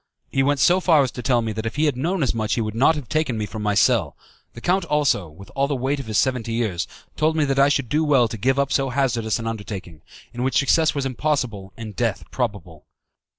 He went so far as to tell me that if he had known as much he would not have taken me from my cell. The count also, with all the weight of his seventy years, told me that I should do well to give up so hazardous an undertaking, in which success was impossible and death probable.